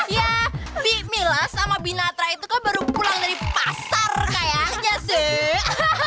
ya bila sama binatra itu kan baru pulang dari pasar kayaknya sih